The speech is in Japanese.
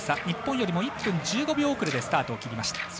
日本よりも１分１５秒遅れでスタートを切りました。